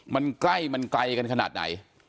มันใกล้มันไกลกันขนาดไหน